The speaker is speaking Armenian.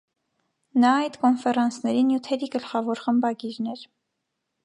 Նա այդ կոնֆերանսների նյութերի գլխավոր խմբագիրն էր։